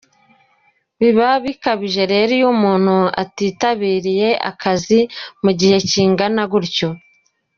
Biba bikabije rero iyo umuntu atitabira akazi mu gihe kingana gutyo.